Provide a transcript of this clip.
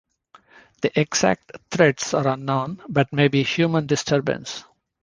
The exact threats are unknown but may be human disturbance.